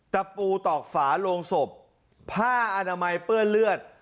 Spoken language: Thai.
ตะปูตอกฝาโรงศพผ้าอนามัยเปื้อนเลือด